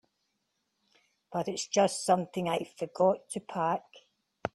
But it's just something I forgot to pack.